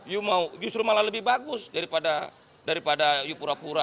you mau justru malah lebih bagus daripada you pura pura